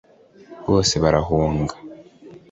bose barahunga